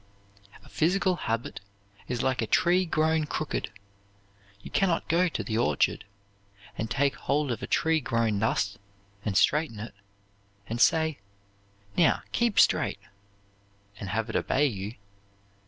"A physical habit is like a tree grown crooked. You can not go to the orchard, and take hold of a tree grown thus, and straighten it, and say, 'Now keep straight!' and have it obey you.